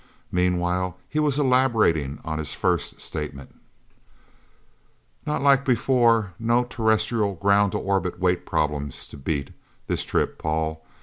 Meanwhile, he was elaborating on his first statement: "... Not like before. No terrestrial ground to orbit weight problem to beat, this trip, Paul.